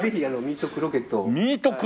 ミートクロケット。